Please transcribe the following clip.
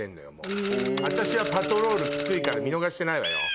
私はパトロールキツいから見逃してないわよ。